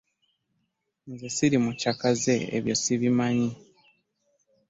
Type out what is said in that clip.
Nze ssiri mukyakaze ebyo ssibimanyi.